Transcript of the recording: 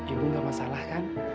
ibu gak masalah kan